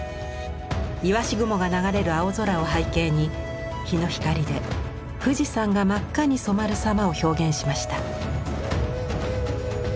いわし雲が流れる青空を背景に日の光で富士山が真っ赤に染まる様を表現しました。